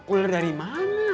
ular dari mana